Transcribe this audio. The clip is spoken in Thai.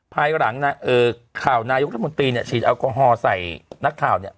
ภายหลังข่าวนายกรัฐมนตรีเนี่ยฉีดแอลกอฮอล์ใส่นักข่าวเนี่ย